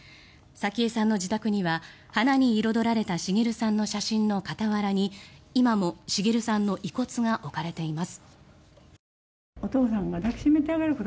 早紀江さんの自宅には花に彩られた滋さんの写真の傍らに今も滋さんの遺骨が置かれています。